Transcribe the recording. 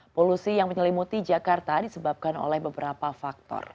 polusi yang menyelimuti jakarta disebabkan oleh beberapa faktor